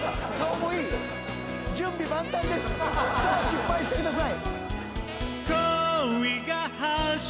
さあ失敗してください！